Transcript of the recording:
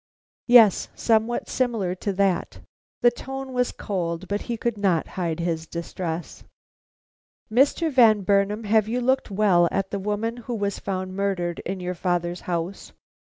"Yes, somewhat similar to that." The tone was cold; but he could not hide his distress. "Mr. Van Burnam, have you looked well at the woman who was found murdered in your father's house?"